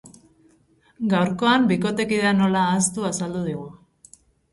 Gaurkoan, bikotekidea nola ahaztu azaldu digu.